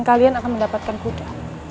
kalian akan mendapatkan kuda